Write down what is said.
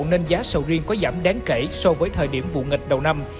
nên giá sầu riêng có giảm đáng kể so với thời điểm vụ nghịch đầu năm